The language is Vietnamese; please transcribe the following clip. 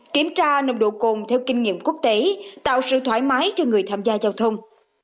kiểm tra nồng độ cồn theo kinh nghiệm quốc tế tạo sự thoải mái cho người tham gia giao thông